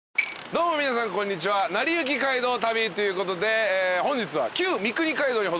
どうも皆さんこんにちは『なりゆき街道旅』ということで本日は。